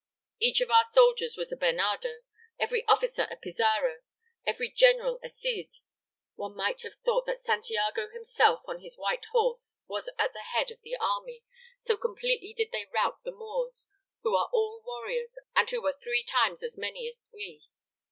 Each of our soldiers was a Bernardo, every officer a Pizarro, every general a Cid. One might have thought that Santiago himself, on his white horse, was at the head of the army, so completely did they rout the Moors, who are all warriors, and who were three times as many as we.